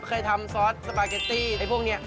เคยทำซอสสปาเกตตี้ไอ้พวกนี้